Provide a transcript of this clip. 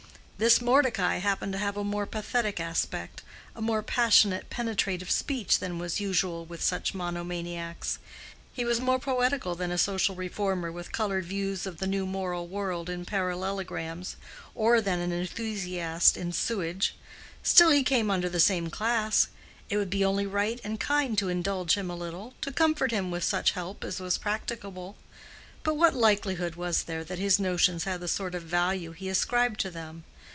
This Mordecai happened to have a more pathetic aspect, a more passionate, penetrative speech than was usual with such monomaniacs; he was more poetical than a social reformer with colored views of the new moral world in parallelograms, or than an enthusiast in sewage; still he came under the same class. It would be only right and kind to indulge him a little, to comfort him with such help as was practicable; but what likelihood was there that his notions had the sort of value he ascribed to them?